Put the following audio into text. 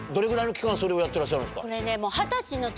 それをやってらっしゃるんですか？